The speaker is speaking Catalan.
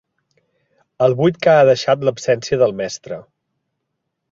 El buit que ha deixat l'absència del mestre.